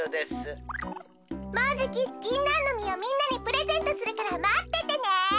もうじきぎんなんのみをみんなにプレゼントするからまっててね。